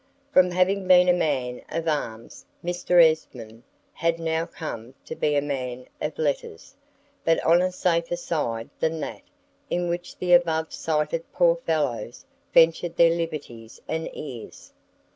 From having been a man of arms Mr. Esmond had now come to be a man of letters, but on a safer side than that in which the above cited poor fellows ventured their liberties and ears.